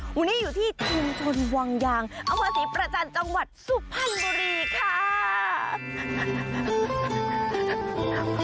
วันนี้อยู่ที่ชุมชนวังยางอำเภอศรีประจันทร์จังหวัดสุพรรณบุรีค่ะ